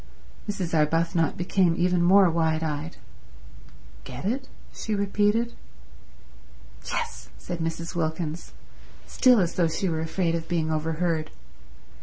Mrs. Arbuthnot became even more wide eyed. "Get it?" she repeated. "Yes," said Mrs. Wilkins, still as though she were afraid of being overheard.